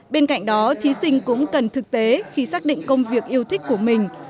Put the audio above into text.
bên cạnh đó thí sinh cũng cần thực tế khi xác định công việc yêu thích của mình